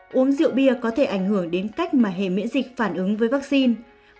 uống rượu bia có thể ảnh hưởng đến cách mà hệ miễn dịch phản ứng với vaccine